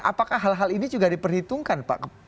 apakah hal hal ini juga diperhitungkan pak